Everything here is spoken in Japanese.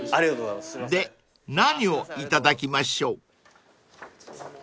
［で何をいただきましょう］